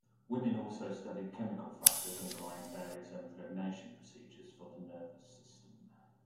Wolman also studied chemical factors underlying various impregnation procedures for the nervous system.